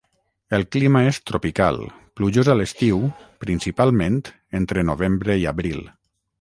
El clima és tropical, plujós a l'estiu, principalment entre novembre i abril.